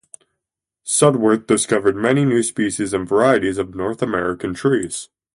Sudworth discovered many new species and varieties of North American trees.